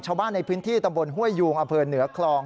ชาวบ้านในพื้นที่ตำบลห้วยยูงอำเภอเหนือคลอง